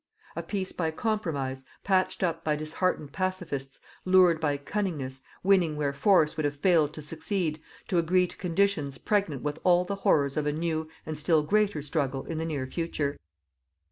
2. A peace by compromise, patched up by disheartened "pacifists," lured by cunningness, winning where force would have failed to succeed, to agree to conditions pregnant with all the horrors of a new and still greater struggle in the near future.